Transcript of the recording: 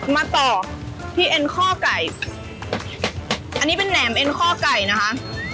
มาต่อพี่เอ็นข้อไก่อันนี้เป็นแหนมเอ็นข้อไก่นะคะ